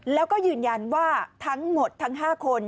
แล้วก็ยืนยันว่าทั้งหมดทั้ง๕คน